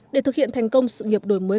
để thực hiện thành công sự nghiệp đổi mới